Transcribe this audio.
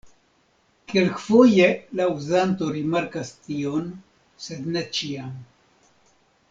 Kelkfoje la uzanto rimarkas tion sed ne ĉiam.